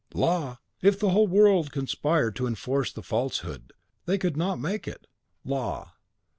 "Law! If the whole world conspired to enforce the falsehood they could not make it LAW.